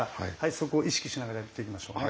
そこを意識しながらやっていきましょうね。